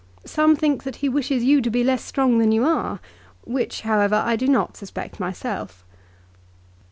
Some think that he wishes you to be less strong than you are, which, however, I do not suspect myself."